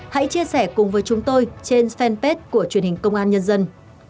hãy chia sẻ cùng với chúng tôi trên fanpage của truyền hình công an nhân dân